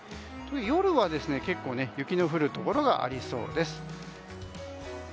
夜は結構、雪の降るところがありそうです。